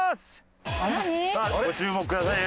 さあご注目くださいね。